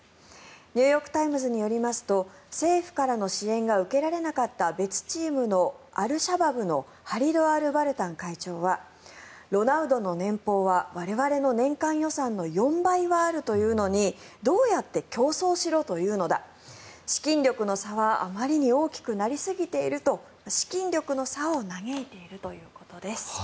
ニューヨーク・タイムズによりますと政府からの支援が受けられなかった別チームのアルシャバブのハリド・アル・バルタン会長はロナウドの年俸は我々の年間予算の４倍はあるというのにどうやって競争しろというのだ資金力の差はあまりに大きくなりすぎていると資金力の差を嘆いているということです。